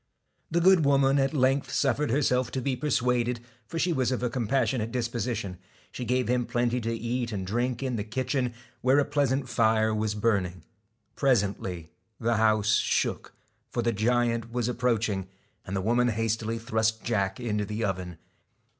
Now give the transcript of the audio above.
The good woman at length suffered herself to be persuaded, for she was of a compassionate dis position. She gave him plenty to eat and drink in the kitchen, where a pleasant fire was burning. Presently the house shook, for the giant was ap proaching ; and the woman hastily thrust Jack into the oven.